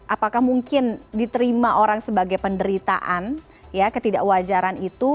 apakah mungkin diterima orang sebagai penderitaan ya ketidakwajaran itu